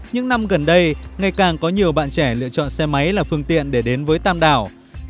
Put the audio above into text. những năm gần đây ngày càng có nhiều bạn trẻ lựa chọn xe máy là phương tiện để đến với tam đảo